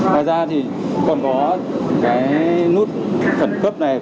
ngoài ra thì còn có cái nút khẩn cấp này